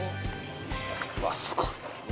うわっすごい。